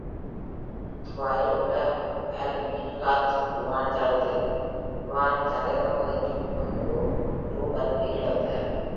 துபாயில் உள்ள Al Minhad விமான தளத்தில் விமானம் தரையிறங்குவதற்கு முன்பு ரூபன் உயிர் இழந்தார்.